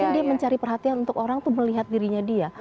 dia mencari perhatian untuk orang tuh melihat dirinya dia